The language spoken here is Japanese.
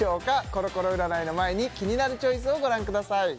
コロコロ占いの前に「キニナルチョイス」をご覧ください